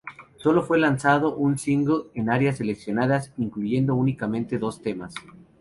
Solo fue lanzado un single en áreas seleccionadas, incluyendo únicamente dos temas.